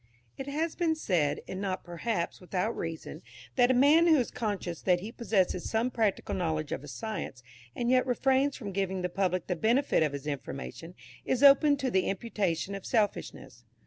_ It has been said, and not, perhaps, without reason, that a man who is conscious that he possesses some practical knowledge of a science, and yet refrains from giving the public the benefit of his information, is open to the imputation of selfishness.